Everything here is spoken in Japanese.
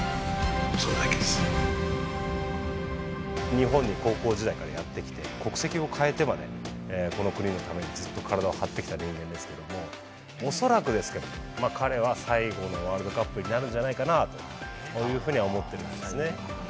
日本に高校時代からやって来て国籍を変えてまでこの国のためにずっと体を張ってきた人間ですけども恐らくですけど彼は最後のワールドカップになるんじゃないかなというふうには思ってるんですね。